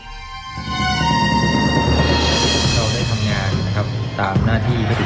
เราได้ทำงานตามหน้าที่เพื่อตราบ